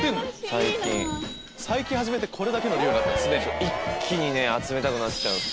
最近始めてこれだけの量に⁉一気に集めたくなっちゃうんです。